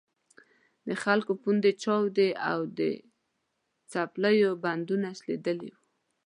د خلکو پوندې چاودې او د څپلیو بندونه شلېدلي وو.